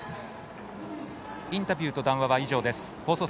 インタビューと談話は以上です。